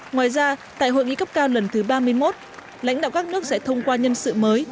ngoài ra tại hội nghị cấp cao lần thứ ba mươi một lãnh đạo các nước sẽ thông qua nhân sự mới